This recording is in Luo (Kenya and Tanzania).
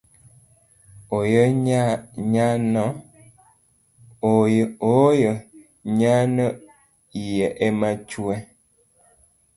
Ooyo nyano iye ema chue